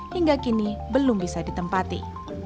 hingga kini belum bisa ditempati